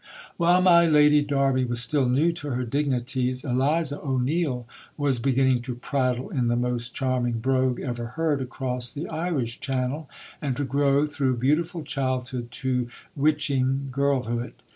While my Lady Derby was still new to her dignities, Eliza O'Neill was beginning to prattle in the most charming brogue ever heard across the Irish Channel, and to grow through beautiful childhood to witching girlhood.